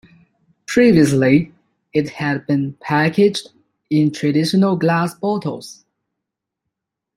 Previously it had been packaged in traditional glass bottles.